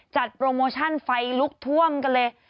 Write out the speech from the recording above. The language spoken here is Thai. โปรโมชั่นไฟลุกท่วมกันเลย